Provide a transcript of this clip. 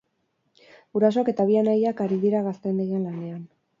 Gurasoak eta bi anaiak ari dira gaztandegian lanean.